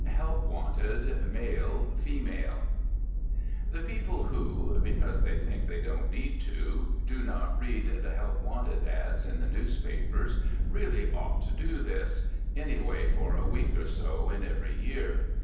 XVI HELP WANTED MALE, FEMALE The people who (because they think they don't need to) do not read the "Help Wanted" "ads" in the newspapers really ought to do this, anyway for a week or so in every year.